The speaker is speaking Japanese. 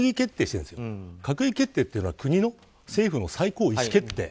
閣議決定というのは国の政府の最高意思決定。